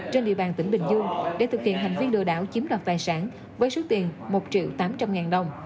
trên địa bàn tỉnh bình dương để thực hiện hành vi lừa đảo chiếm đoạt tài sản với số tiền một triệu tám trăm linh ngàn đồng